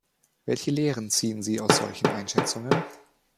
Welche Lehren ziehen Sie aus solchen Einschätzungen?